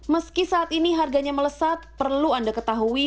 meski saat ini harganya melesat perlu anda ketahui